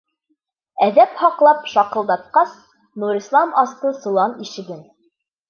Әҙәп һаҡлап, шаҡылдатҡас, Нурислам асты солан ишеген.